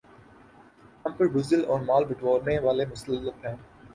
ہم پر بزدل اور مال بٹورنے والے مسلط ہیں